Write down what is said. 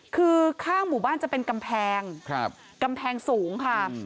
คือข้างหมู่บ้านจะเป็นกำแพงกำแพงสูงค่ะ